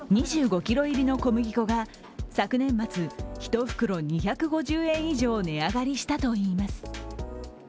２５ｋｇ入りの小麦粉が昨年末１袋２５０円以上値上がりしたといいます。